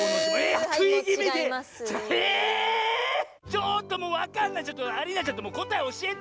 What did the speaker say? ちょっともうわかんないアリーナちゃんこたえおしえて！